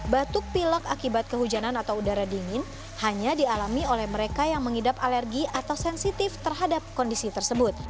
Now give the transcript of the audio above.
batuk pilek akibat kehujanan atau udara dingin hanya dialami oleh mereka yang mengidap alergi atau sensitif terhadap kondisi tersebut